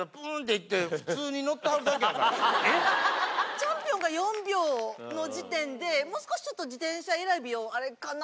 チャンピオンが４秒の時点でもう少しちょっと自転車選びをあれかなと思ったら。